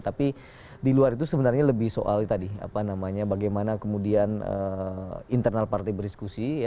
tapi di luar itu sebenarnya lebih soal tadi apa namanya bagaimana kemudian internal partai berdiskusi